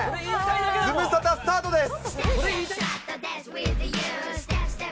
ズムサタスタートです。